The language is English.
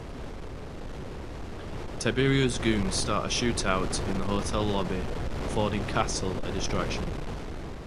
Tiberiu's goons start a shootout in the hotel lobby, affording Castle a distraction.